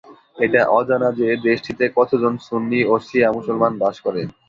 এটা অজানা যে, দেশটিতে কতজন সুন্নি ও শিয়া মুসলমান বাস করে।